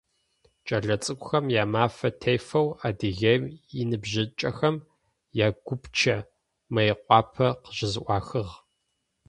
Кӏэлэцӏыкӏухэм я Мафэ тефэу Адыгеим иныбжьыкӏэхэм я Гупчэ Мыекъуапэ къыщызэӏуахыгъ.